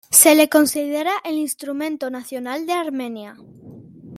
Se le considera el instrumento nacional de Armenia.